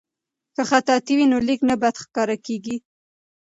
که خطاطي وي نو لیک نه بد ښکاریږي.